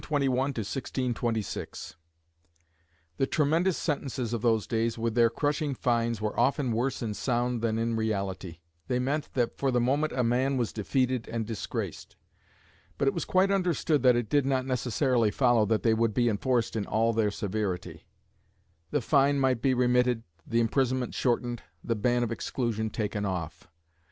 ] The tremendous sentences of those days, with their crushing fines, were often worse in sound than in reality. They meant that for the moment a man was defeated and disgraced. But it was quite understood that it did not necessarily follow that they would be enforced in all their severity. The fine might be remitted, the imprisonment shortened, the ban of exclusion taken off.